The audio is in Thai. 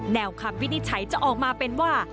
คำวินิจฉัยจะออกมาเป็นว่า